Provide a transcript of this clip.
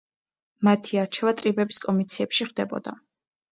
მათი არჩევა ტრიბების კომიციებში ხდებოდა.